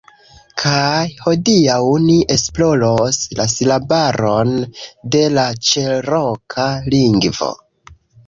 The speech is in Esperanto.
Kaj hodiaŭ ni esploros la silabaron de la Ĉeroka lingvo